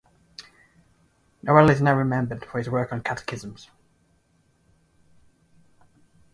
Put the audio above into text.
Nowell is now remembered for his work on catechisms.